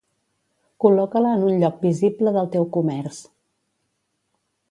Col·loca-la en un lloc visible del teu comerç